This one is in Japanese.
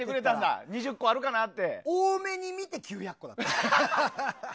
多めに見て９００個だった。